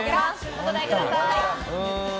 お答えください。